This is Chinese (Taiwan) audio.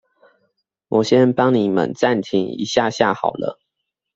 我先幫你們暫停一下下好了